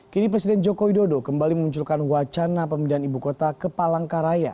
kini presiden joko widodo kembali memunculkan wacana pemindahan ibu kota ke palangkaraya